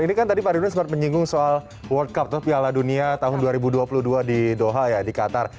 ini kan tadi pak ridwan sempat menyinggung soal world cup tuh piala dunia tahun dua ribu dua puluh dua di doha ya di qatar